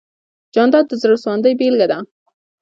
جانداد د زړه سواندۍ بېلګه ده.